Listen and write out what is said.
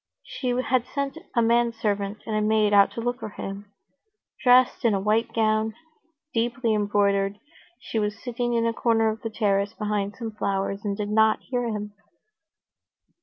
She had sent a manservant and a maid out to look for him. Dressed in a white gown, deeply embroidered, she was sitting in a corner of the terrace behind some flowers, and did not hear him.